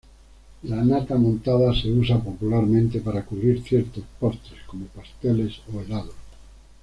La nata montada se usa popularmente para cubrir ciertos postres como pasteles o helados.